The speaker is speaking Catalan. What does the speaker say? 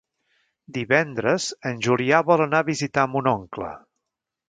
Divendres en Julià vol anar a visitar mon oncle.